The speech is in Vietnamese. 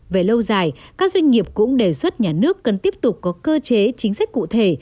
về lâu dài các doanh nghiệp cũng đề xuất nhà nước cần tiếp tục có cơ chế chính sách cụ thể